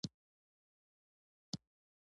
د هغه یادونه مې په ادیب شیخ کې کړې ده.